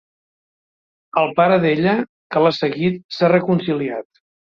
El pare d'ella, que l'ha seguit, s'ha reconciliat.